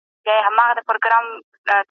ماشوم د انا د لمانځه په ځای کې لوبې کولې.